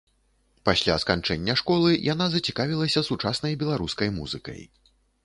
Пасля сканчэння школы яна зацікавілася сучаснай беларускай музыкай.